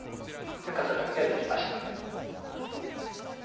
型紙ができました。